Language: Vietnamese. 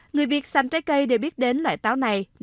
người việt xanh trái cây đều biết đến loại táo này